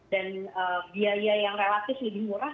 dan biaya yang relatif lebih murah